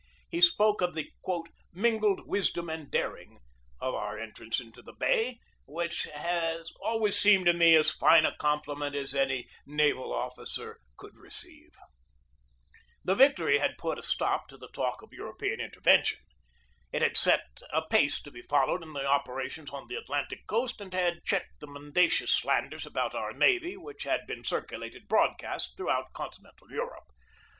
He spoke of the "mingled wisdom and daring" of our entrance into the bay, which has always seemed to me as fine a compliment as any naval officer could receive. The victory had put a stop to the talk of European intervention. It had set a pace to be followed in the operations on the Atlantic coast and had checked the mendacious slanders about our navy which had been circulated broadcast throughout continental Europe.